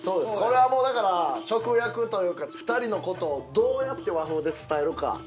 これはもうだから直訳というか２人のことをどうやって和風で伝えるか。